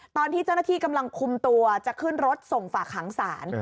ตอนที่เจ้าหน้าที่กำลังคุมตัวจะขึ้นรถส่งฝากหางศาล